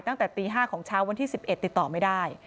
ตั้งแต่ตี๕ของเช้าวันที่๑๑ติดต่อไม่ได้